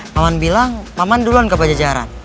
paman bilang paman duluan gak baca jarak